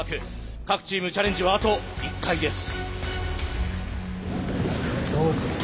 各チームチャレンジはあと１回です。